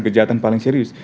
kejahatan paling serius